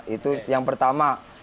itu yang pertama